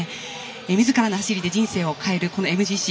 みずからの走りで人生を変えるＭＧＣ。